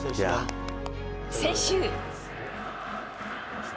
先週。